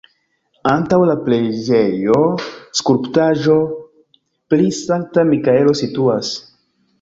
Antaŭ la preĝejo skulptaĵo pri Sankta Mikaelo situas.